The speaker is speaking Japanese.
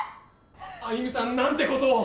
歩美さんなんてことを。